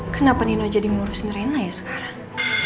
kenapa nino jadi ngurusin rena ya sekarang